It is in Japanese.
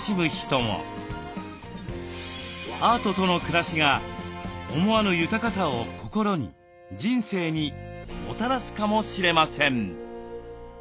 アートとの暮らしが思わぬ豊かさを心に人生にもたらすかもしれません。